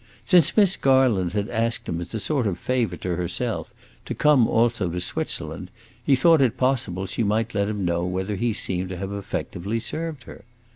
Since Miss Garland had asked him as a sort of favor to herself to come also to Switzerland, he thought it possible she might let him know whether he seemed to have effectively served her.